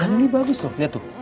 ini bagus tuh lihat tuh